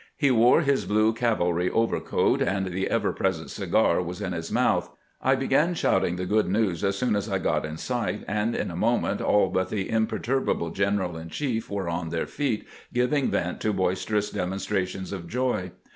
He wore his blue cavalry overcoat, and the ever present cigar was in his mouth. I began shouting the good news as soon as I got in sight, and in a moment all but the imperturbable general in chief were on their feet giving vent to boisterous demonstrations of joy.